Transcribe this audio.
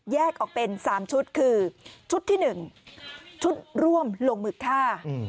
ออกเป็น๓ชุดคือชุดที่๑ชุดร่วมลงมือฆ่า